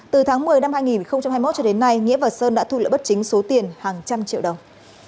từ tháng một mươi năm hai nghìn hai mươi một cho đến nay nghĩa và sơn đã thu lỡ bất chính số tiền hàng trăm triệu đồng